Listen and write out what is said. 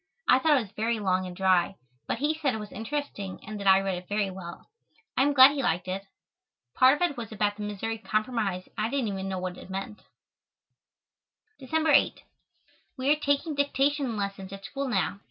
I thought it was very long and dry, but he said it was interesting and that I read it very well. I am glad he liked it. Part of it was about the Missouri Compromise and I didn't even know what it meant. December 8. We are taking dictation lessons at school now.